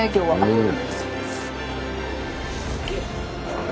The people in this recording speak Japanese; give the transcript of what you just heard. うん。